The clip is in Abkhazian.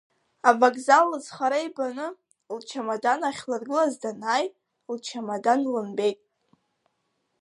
Авокзал лызхара ибаны, лчамадан ахьлыргылаз данааи, лчамадан лымбеит.